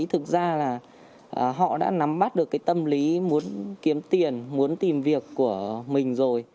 thực ra là họ đã nắm bắt được cái tâm lý muốn kiếm tiền muốn tìm việc của mình rồi